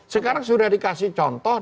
sekarang sudah dikasih contoh